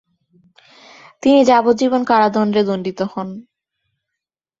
তিনি যাবজ্জীবন কারাদন্ডে দণ্ডিত হন।